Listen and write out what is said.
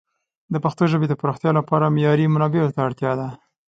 د پښتو ژبې د پراختیا لپاره معیاري منابعو ته اړتیا ده.